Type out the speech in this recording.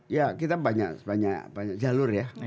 ya kita banyak banyak jalur ya